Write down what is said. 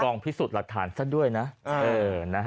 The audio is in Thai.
กองพิสูจน์หลักฐานซะด้วยนะเออเออนะฮะ